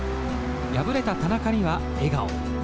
敗れた田中には笑顔。